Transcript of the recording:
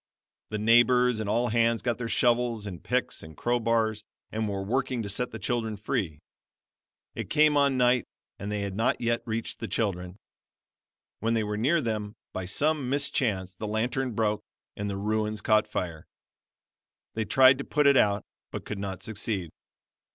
The neighbors and all hands got their shovels and picks and crowbars and were working to set the children free. It came on night and they had not yet reached the children. When they were near them, by some mischance the lantern broke, and the ruins caught fire. They tried to put it out, but could not succeed.